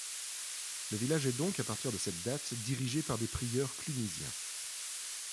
Le village est donc à partir de cette date dirigé par des prieurs clunisiens.